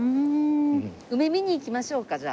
梅見に行きましょうかじゃあ。